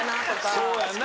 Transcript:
そうやな